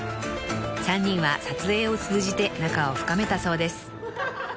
［３人は撮影を通じて仲を深めたそうです］